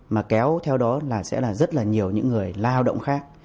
mà kéo theo đó là sẽ là rất là nhiều những người lao động khác